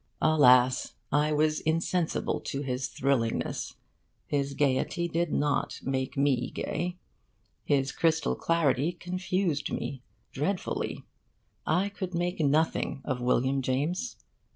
Alas, I was insensible to his thrillingness. His gaiety did not make me gay. His crystal clarity confused me dreadfully. I could make nothing of William James.